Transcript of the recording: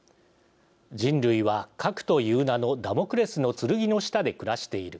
「人類は核という名のダモクレスの剣の下で暮らしている。